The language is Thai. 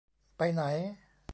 ไปไหน !